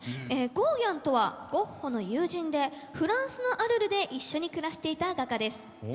ゴーギャンとはゴッホの友人でフランスのアルルで一緒に暮らしていた画家です。